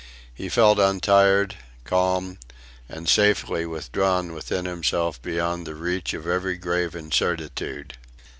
He felt untired, calm, and safely withdrawn within himself beyond the reach of every grave incertitude.